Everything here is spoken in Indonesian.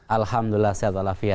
alhamdulillah sehat wa'ala fiyat